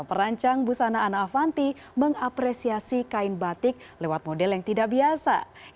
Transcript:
perancang busana ana avanti mengapresiasi kain batik lewat model yang tidak biasa